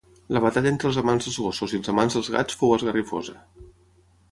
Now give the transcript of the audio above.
La batalla entre els amants dels gossos i els amants dels gats fou esgarrifosa